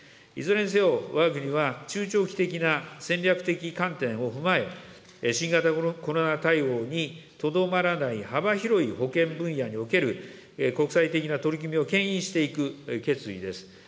いずれにせよ、わが国は、中長期的な戦略的観点を踏まえ、新型コロナ対応にとどまらない幅広い保健分野における国際的な取り組みをけん引していく決意です。